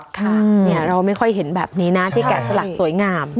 ค่ะเราไม่ค่อยเห็นแบบนี้นะที่แกะสลักสวยงาม